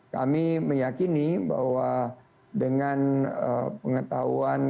kami meyakini bahwa dengan pengetahuan